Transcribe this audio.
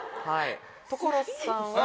所さんは。